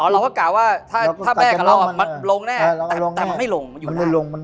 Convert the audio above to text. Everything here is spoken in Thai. เราก็กล่าวว่าถ้าแม่กับเรามันลงแน่แต่มันไม่ลงอยู่